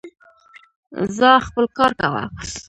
ځاا خپل کار کوه